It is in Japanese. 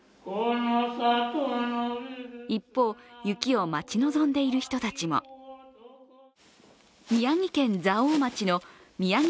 一方、雪を待ち望んでいる人たちも宮城県蔵王町のみやぎ